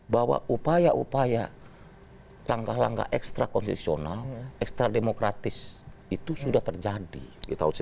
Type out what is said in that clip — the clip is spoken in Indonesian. bahwa upaya upaya langkah langkah ekstra konstitusional ekstra demokratis itu sudah terjadi di tahun sembilan puluh delapan